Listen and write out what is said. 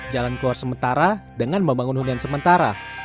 jalan keluar sementara dengan membangun hunian sementara